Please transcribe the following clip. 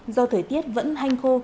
do thời tiết vẫn hanh khô